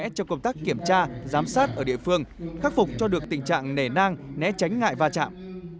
trong công tác kiểm tra giám sát ở địa phương khắc phục cho được tình trạng nề nang né tránh ngại va chạm